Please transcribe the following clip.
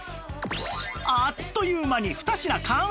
あっという間に２品完成